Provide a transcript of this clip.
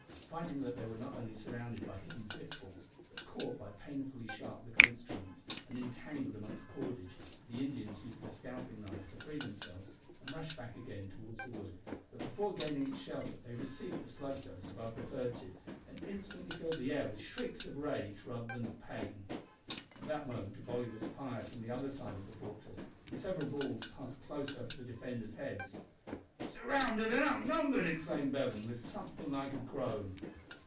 Finding that they were not only surrounded by hidden pit falls, but caught by painfully sharp little instruments, and entangled among cordage, the Indians used their scalping knives to free themselves, and rushed back again towards the wood, but before gaining its shelter they received the slug dose above referred to, and instantly filled the air with shrieks of rage, rather than of pain. At that moment a volley was fired from the other side of the fortress, and several balls passed close over the defenders' heads. "Surrounded and outnumbered!" exclaimed Bevan, with something like a groan.